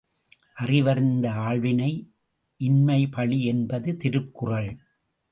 அறிவறிந்த ஆள்வினை இன்மைபழி என்பது திருக்குறள்.